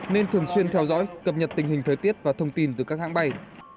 nên thường xuyên theo dõi cập nhật tình hình thời tiết và thông tin từ các hãng bay